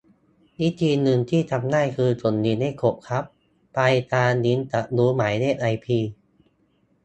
วิธีนึงที่ทำได้คือส่งลิงก์ให้กดครับ ปลายทางลิงก์จะรู้หมายเลขไอพี